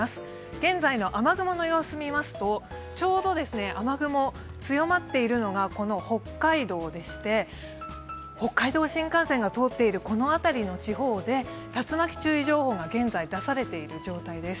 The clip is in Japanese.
現在の雨雲の様子を見ますと、ちょうど雨雲が強まっているのが北海道でして北海道新幹線が通っているこの辺りの地方で竜巻注意情報が現在出されている状況です。